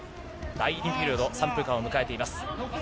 第２ピリオド、３分間を迎えています。